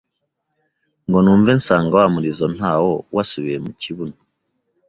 ngo numve nsanga wa murizo ntawo wasubiye mu kibuno